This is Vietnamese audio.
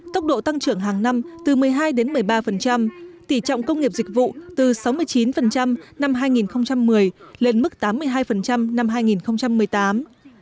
tốc độ tăng trưởng hàng năm từ một mươi hai đến một mươi ba tỉ trọng công nghiệp dịch vụ từ sáu mươi chín năm hai nghìn một mươi lên mức tám mươi hai năm hai nghìn một mươi tám